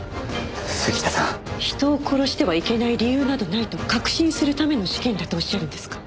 人を殺してはいけない理由などないと確信するための試験だとおっしゃるんですか？